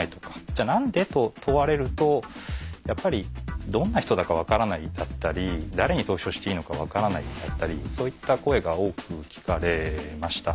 じゃあ何でと問われるとやっぱり「どんな人だか分からない」だったり「誰に投票していいのか分からない」だったりそういった声が多く聞かれました。